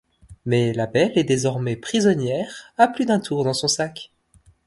Mais la belle et désormais prisonnière a plus d’un tour dans son sac.